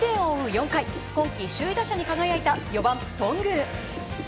４回今季首位打者に輝いた４番、頓宮。